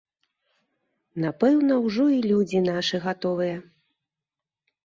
Напэўна, ужо і людзі нашы гатовыя.